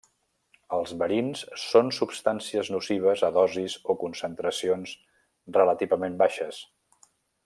Els verins són substàncies nocives a dosis o concentracions relativament baixes.